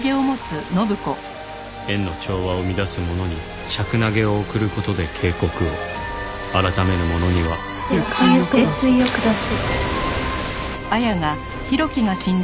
「円の調和を乱す者に石楠花を贈ることで警告を改めぬ者には」鉄槌を下す。